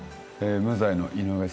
無罪の井上さんは？